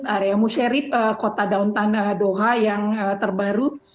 area muserib kota daun tanah doha yang terbaru